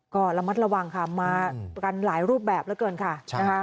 ก็ระมัดระวังค่ะมากันหลายรูปแบบเหลือเกินค่ะนะคะ